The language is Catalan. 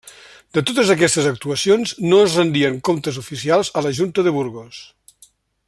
De totes aquestes actuacions no es rendien comptes oficials a la Junta de Burgos.